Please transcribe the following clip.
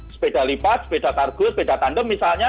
sepeda lipat sepeda targut sepeda tandem misalnya